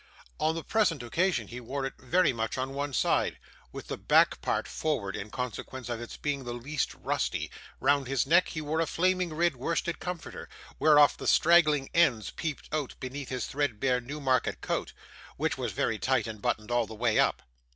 On the present occasion he wore it very much on one side, with the back part forward in consequence of its being the least rusty; round his neck he wore a flaming red worsted comforter, whereof the straggling ends peeped out beneath his threadbare Newmarket coat, which was very tight and buttoned all the way up.